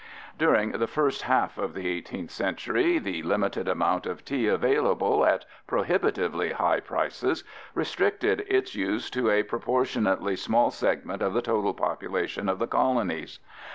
" During the first half of the 18th century the limited amount of tea available at prohibitively high prices restricted its use to a proportionately small segment of the total population of the colonies.